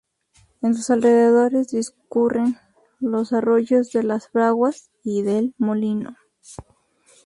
En sus alrededores discurren los arroyos de "Las Fraguas" y del "Molino".